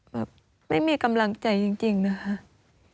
แบบไม่มีกำลังใจจริงนะคะ